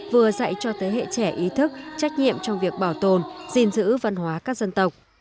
vừa dạy cho thế hệ trẻ ý thức trách nhiệm trong việc bảo tồn gìn giữ văn hóa các dân tộc